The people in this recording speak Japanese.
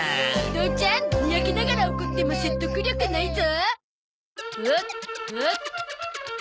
父ちゃんにやけながら怒っても説得力ないゾ。